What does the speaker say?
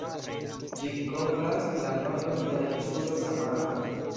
Ĝi kovras la nordon de la insulo Samaro.